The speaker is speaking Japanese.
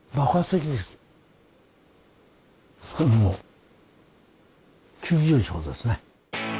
これもう急上昇ですね。